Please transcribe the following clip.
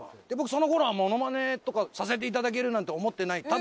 僕そのころはモノマネとかさせていただけるなんて思ってない。